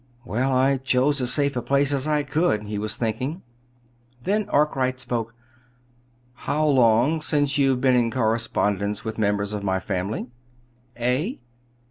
"Well, I chose as safe a place as I could!" he was thinking. Then Arkwright spoke. "How long since you've been in correspondence with members of my family?" "Eh?"